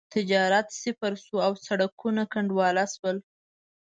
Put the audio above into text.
تجارت صفر شو او سړکونه کنډواله شول.